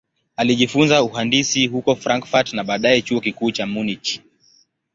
Alijifunza uhandisi huko Frankfurt na baadaye Chuo Kikuu cha Munich.